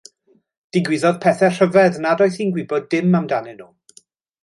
Digwyddodd pethau rhyfedd nad oedd hi'n gwybod dim amdanyn nhw.